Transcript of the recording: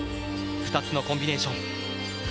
２つのコンビネーション。